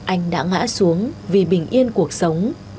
anh đã ngã xuống vì bình yên cuộc sống